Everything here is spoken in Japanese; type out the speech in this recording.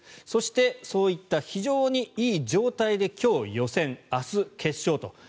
そして、そういった非常にいい状態で今日、予選明日、決勝と。